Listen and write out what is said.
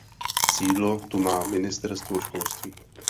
Sídlo tu má ministerstvo školství.